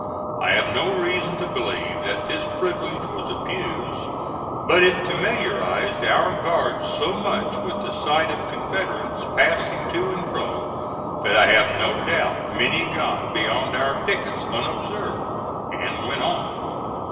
I have no reason to believe that this privilege was abused, but it familiarized our guards so much with the sight of Confederates passing to and fro that I have no doubt many got beyond our pickets unobserved and went on.